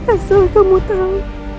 asal kamu tahu